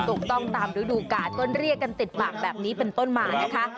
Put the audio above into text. ถูกต้องตามฤดูกาลก็เรียกกันติดปากแบบนี้เป็นต้นมานะคะ